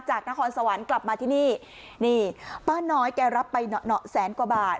นครสวรรค์กลับมาที่นี่นี่ป้าน้อยแกรับไปเหนาะแสนกว่าบาท